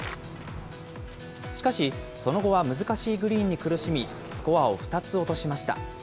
しかし、その後は難しいグリーンに苦しみ、スコアを２つ落としました。